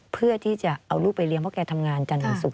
เพื่อที่จะเอาลูกไปเลี้ยงเพราะแกทำงานจันทร์วันศุกร์